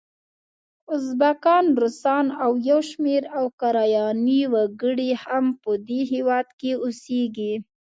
ازبکان، روسان او یو شمېر اوکرایني وګړي هم په دې هیواد کې اوسیږي.